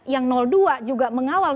yang dua juga mengawal